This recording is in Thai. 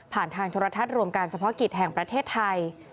ทางโทรทัศน์รวมการเฉพาะกิจแห่งประเทศไทย